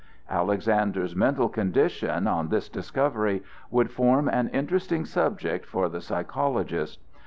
Alexander's mental condition, on this discovery, would form an interesting subject for the psychologist.